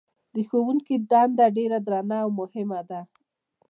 د ښوونکي دنده ډېره درنه او مهمه ده.